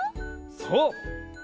そう！